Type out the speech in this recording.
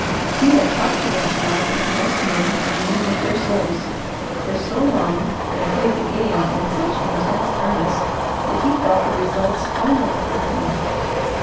He had talked to that dog, as most men commune with their souls, for so long and played the game in such intense earnest that he felt the results final with him.